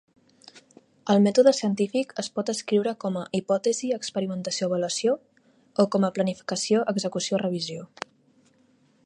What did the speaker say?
El mètode científic es pot escriure com a "hipòtesi-experimentació-avaluació" o com a "planificació-execució-revisió".